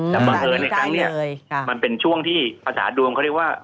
อืมจำเป็นเกิดในครั้งเนี่ยมันเป็นช่วงที่ภาษาดวงเขาเรียกว่า